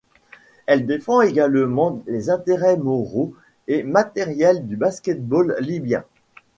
Elle défend également les intérêts moraux et matériels du basket-ball libyen.